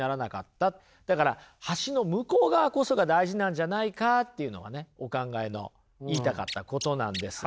だから橋の向こう側こそが大事なんじゃないかっていうのがねお考えの言いたかったことなんです。